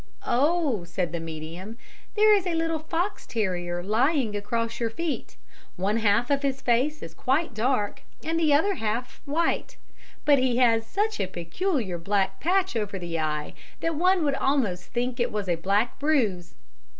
"Oh," said the medium, "there is a little fox terrier lying across your feet; one half of his face is quite dark and the other half white, but he has such a peculiar black patch over the eye that one would almost think it was a black bruise."